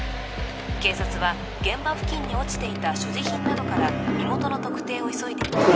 警察は現場付近に落ちていた所持品などから身元の特定を急いでいます